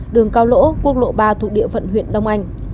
đường cao lỗ quốc lộ ba thuộc địa phận huyện đông anh